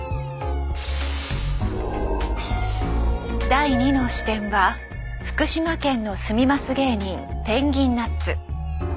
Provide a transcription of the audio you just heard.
第２の視点は福島県の「住みます芸人」ぺんぎんナッツ。